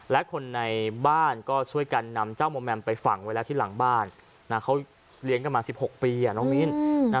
และคนในบ้านก็ช่วยกันนำเจ้ามอมแมมไปฝังไว้แล้วที่หลังบ้านเขาเลี้ยงกันมา๑๖ปีน้องมิ้น